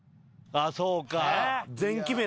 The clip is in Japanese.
ああそうか。